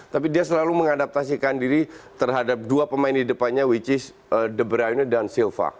tapi dia selalu mengadaptasikan diri terhadap dua pemain di depannya yaitu de bruyne dan silva